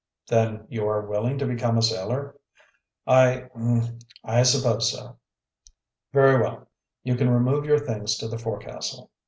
"Then you are willing to become a sailor?" "I er I suppose so." "Very well, you can remove your things to the forecastle.